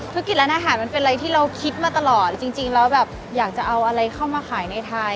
ธุรกิจร้านอาหารมันเป็นอะไรที่เราคิดมาตลอดจริงแล้วแบบอยากจะเอาอะไรเข้ามาขายในไทย